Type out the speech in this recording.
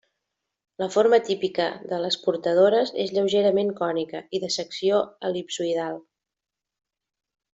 La forma típica de les portadores és lleugerament cònica i de secció el·lipsoidal.